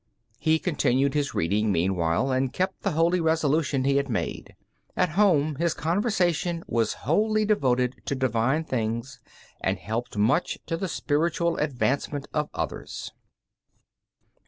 He continued his reading meanwhile, and kept the holy resolution he had made. At home his conversation was wholly devoted to divine things, and helped much to the spiritual advancement of others.